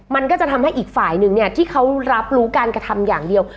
มันก็จะทำให้อีกฝ่ายนึงเนี่ยที่เขารับรู้การกระทำอย่างเดียว